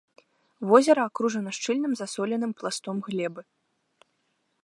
Возера акружана шчыльным засоленым пластом глебы.